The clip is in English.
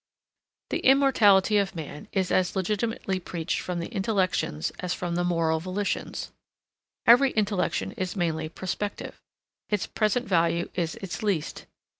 The immortality of man is as legitimately preached from the intellections as from the moral volitions. Every intellection is mainly prospective. Its present value is its least.